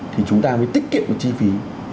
thì chúng ta mới tiết kiệm được chi phí